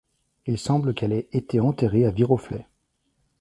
Il semble qu'elle ait été enterrée à Viroflay.